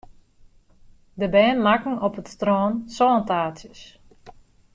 De bern makken op it strân sântaartsjes.